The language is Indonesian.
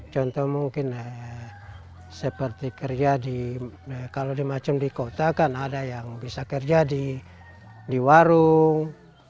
contoh mungkin seperti kerja kalau di macem di kota kan ada yang bisa kerja di warung